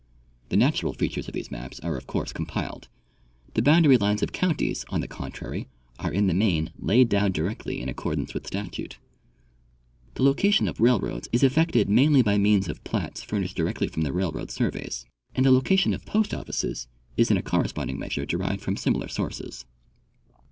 The natural features of these maps are of course compiled. The boundary lines of counties, on the contrary, are in the main laid down directly in accordance Avith statute. The location of railroads is effected mainly by means of plats furnished directly from the railroad surveys, and the location of post offices is in a corresponding measure derived from similar sources.